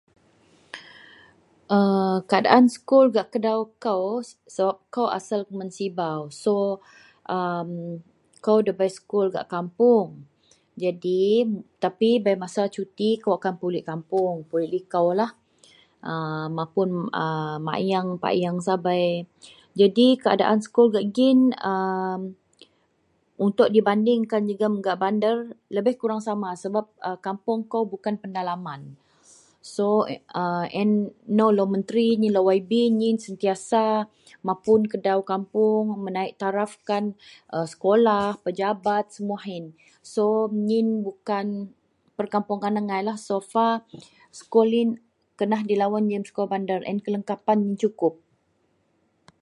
aa keadaan skul gak kedou kou, sebab kou asel keman sibau so a mm, kou debei sekul gak kapuong, jadiyii, tapi bei masa suti akou akan pulek kapoung, pulek likolah, aa mapun a mak ayeng, pak ayeng sabei, jadi keadaan sekul gak giyian a untok dibandingkan jegum gak bander lebih kurang sama sebab kapoung bukan pendalaman.. so a ien nou lau menteri nyin, lau yb nyin sentiasa mapun kedaou kapoung, menaiktarafkan sekolah, pejabat semuah ien so nyin bukan pekapuongan agailah, so far sekul yien kenah dilawen gak sekul bander and kelengkapan yin cukup,